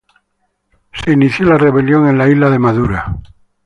La rebelión fue iniciada en la isla de Madura.